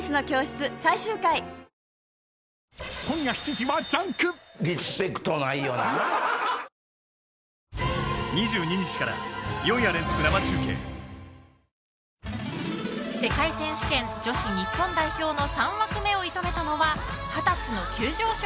十六種類で十六茶世界選手権女子日本代表の３枠目を射止めたのは二十歳の急上昇